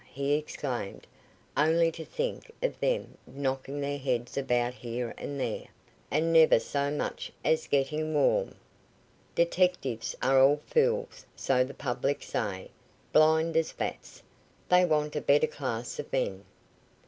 he exclaimed; "only to think of them knocking their heads about here and there, and never so much as getting warm. Detectives are all fools, so the public say. Blind as bats. They want a better class of men."